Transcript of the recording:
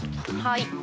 はい。